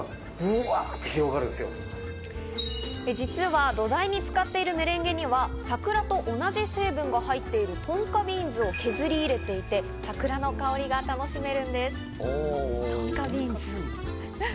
実は土台に使っているメレンゲには、桜と同じ成分が入っているトンカビーンズを削り入れていて、桜の香りが楽しめるんです。